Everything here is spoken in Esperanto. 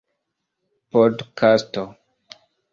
podkasto